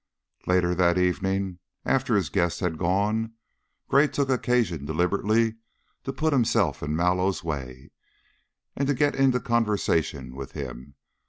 Later that evening, after his guest had gone, Gray took occasion deliberately to put himself in Mallow's way and to get into conversation with him.